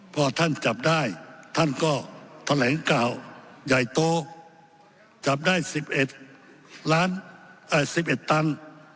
พอท่านจับได้ท่านก็แถลงข่าวใหญ่โตจับได้๑๑ตัน